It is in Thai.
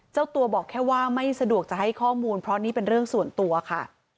เจ้าตัวบอกแค่ว่าไม่สะดวกจะให้ข้อมูลเพราะนี่เป็นเรื่องส่วนตัวค่ะ